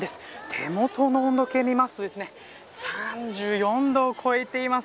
手元の温度計を見ると３４度を超えています。